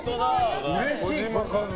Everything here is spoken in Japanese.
うれしい。